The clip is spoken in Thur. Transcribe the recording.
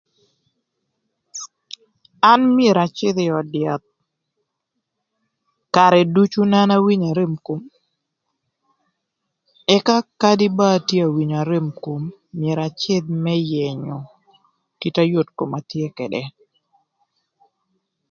An myero acïdh ï öd yath karë ducu na an awinyo arem kom, ëka kade ba atye awinyo arem më kom, myero acïdh më yënyö kite ayot koma tye këdë.